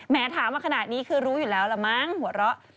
ถามมาขนาดนี้คือรู้อยู่แล้วล่ะมั้งหัวเราะ